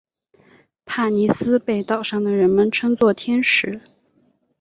帕妮丝被岛上的人们称作天使。